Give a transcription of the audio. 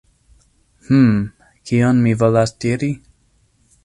Hmm. Kion mi volas diri?